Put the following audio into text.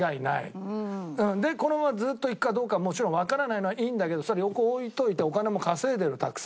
でこのままずっといくかどうかもちろんわからないのはいいんだけどそれ横置いておいてお金も稼いでるたくさん。